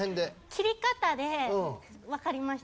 切り方でわかりました。